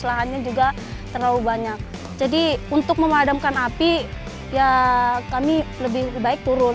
lahannya juga terlalu banyak jadi untuk memadamkan api ya kami lebih baik turun